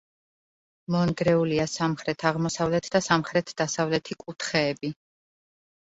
მონგრეულია სამხრეთ-აღმოსავლეთ და სამხრეთ-დასავლეთი კუთხეები.